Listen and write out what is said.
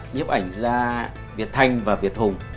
nhấp ảnh ra việt thanh và việt hùng